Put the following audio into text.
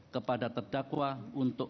kepada terdakwa untuk